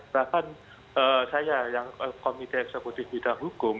bahkan saya yang komite eksekutif bidang hukum